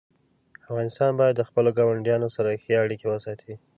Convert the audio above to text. افغانستان باید د خپلو ګاونډیانو سره ښې اړیکې وساتي.